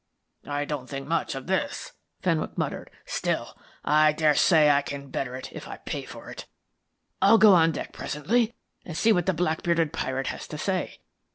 "I don't think much of this," Fenwick muttered. "Still I daresay I can better it if I pay for it. I'll go on deck presently and see what the black bearded pirate has to say.